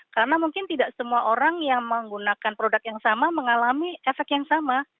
karena mungkin tidak semua orang yang menggunakan produk yang sama mengalami efek yang sama